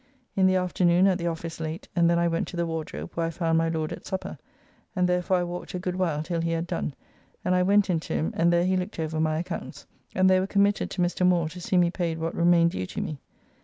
In the afternoon at the office late, and then I went to the Wardrobe, where I found my Lord at supper, and therefore I walked a good while till he had done, and I went in to him, and there he looked over my accounts. And they were committed to Mr. Moore to see me paid what remained due to me.